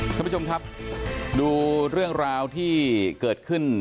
ท่านผู้ชมครับดูเรื่องราวที่เกิดขึ้น